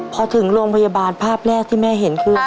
พอถึงโรงพยาบาลภาพแรกที่แม่เห็นคือ